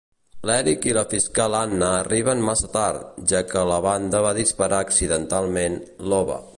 L'Erik i la fiscal Anna arriben massa tard, ja que la banda va disparar "accidentalment" l'Ove.